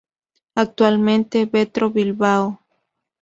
Actualmente Metro Bilbao.